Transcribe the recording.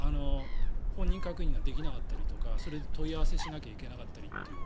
本人確認ができなかったりとかそれで問い合わせしなければいけなかったりっていう。